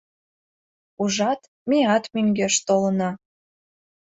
Ужат, меат мӧҥгеш толына».